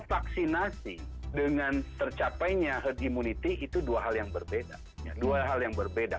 vaksinasi dengan tercapainya herd immunity itu dua hal yang berbeda